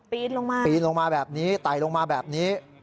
ลงมาปีนลงมาแบบนี้ไต่ลงมาแบบนี้